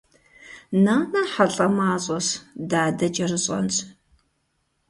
Нанэ хьэлӏамащӏэщ, дадэ кӏэрыщӏэнщ.